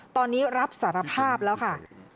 ตอนนี้รับสารภาพแล้วค่ะ